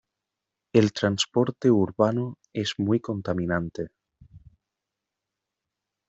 El transporte urbano es muy contaminante.